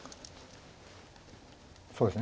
そうですね